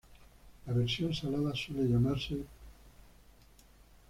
La versión salada suele llamarse 鹹角仔.